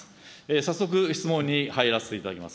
早速質問に入らせていただきます。